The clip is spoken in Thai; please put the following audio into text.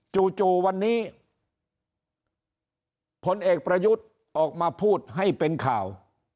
จู่วันนี้ผลเอกประยุทธ์ออกมาพูดให้เป็นข่าว